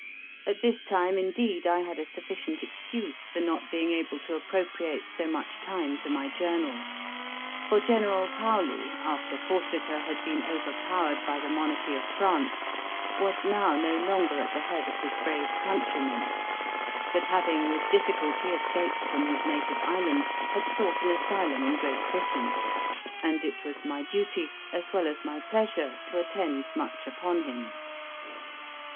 At this time, indeed, I had a sufficient excuse for not being able to appropriate so much time to my Journal; for General Paoli, after Corsica had been overpowered by the monarchy of France, was now no longer at the head of his brave countrymen, but having with difficulty escaped from his native island, had sought an asylum in Great Britain; and it was my duty, as well as my pleasure, to attend much upon him.